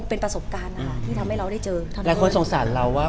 เอาจริงอ่ะหนูหนูค่อนข้างมั่นใจนะว่า